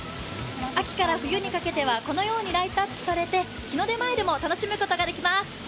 秋から冬にかけてはこのようにライトアップされて日の出前でも楽しむことができます。